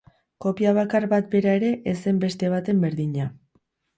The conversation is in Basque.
Kopia bakar bat bera ere ez zen beste baten berdina.